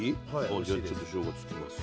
あじゃあちょっとしょうがつけます。